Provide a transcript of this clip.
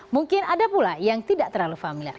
mungkin ada pula yang tidak terlalu familiar